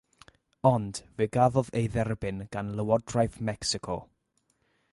Ond, fe gafodd ei dderbyn gan lywodraeth Mecsico.